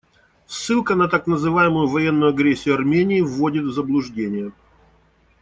Ссылка на так называемую военную агрессию Армении вводит в заблуждение.